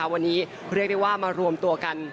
วันนี้เรียกได้ว่ามารวมตัวกัน